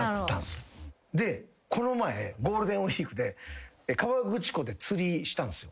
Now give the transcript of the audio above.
でこの前ゴールデンウイークで河口湖で釣りしたんすよ。